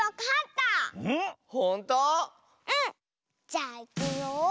じゃあいくよ。